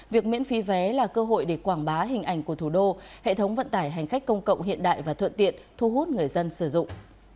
việc miễn phí vé là cơ hội để quảng bá hình ảnh của thủ đô hệ thống vận tải hành khách công cộng hiện đại và thuận tiện thu hút người dân sử dụng